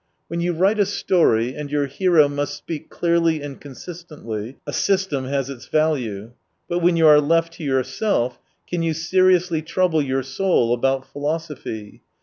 When you write a story, and your hero must speak clearly and consistently, a system has its value. But when you are left to yourself, can you seriously trouble your soul about philosophy